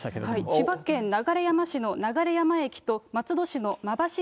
千葉県流山市の流山駅と松戸市のまばし